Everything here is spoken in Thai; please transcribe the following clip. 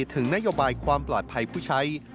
ถึงนโยบายความปลอดภัยผู้ใช้